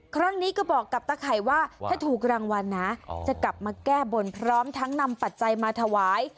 ครั้งนี้ก็บอกกับตะไข่ว่าถ้าถูกรางวัลนะจะกลับมาแก้บนพร้อมทั้งนำปัจจัยมาถวาย